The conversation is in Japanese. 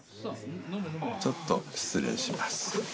ちょっと失礼します。